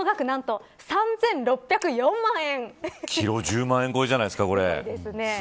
１０万円超えじゃないですか。